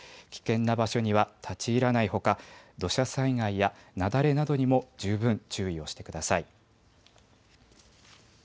危険な場所には立ち入らないほか土砂災害や雪崩などにも十分注意をしてください。